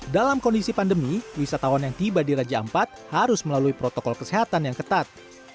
dalam kondisi pandemi wisatawan yang tiba di raja ampat harus melalui protokol kesehatan yang ketat